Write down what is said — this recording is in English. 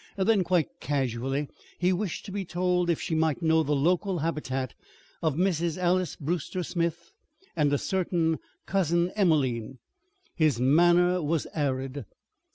Then, quite casually, he wished to be told if she might know the local habitat of Mrs. Alys Brewster Smith and a certain Cousin Emelene. His manner was arid.